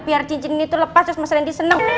biar cincin ini tuh lepas terus mas randy seneng